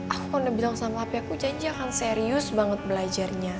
aku kan udah bilang sama api aku janji akan serius banget belajarnya